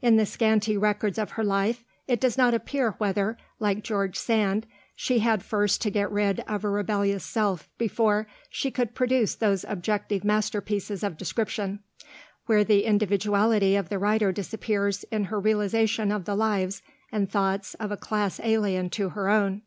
In the scanty records of her life it does not appear whether, like George Sand, she had first to get rid of a rebellious self before she could produce those objective masterpieces of description, where the individuality of the writer disappears in her realization of the lives and thoughts of a class alien to her own.